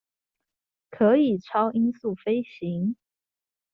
可以超音速飛行